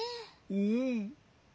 うん。